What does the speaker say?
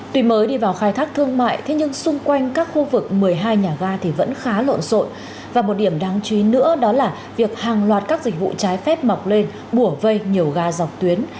tuy mới đi vào khai thác thương mại thế nhưng xung quanh các khu vực một mươi hai nhà ga thì vẫn khá lộn xộn và một điểm đáng chú ý nữa đó là việc hàng loạt các dịch vụ trái phép mọc lên bùa vây nhiều ga dọc tuyến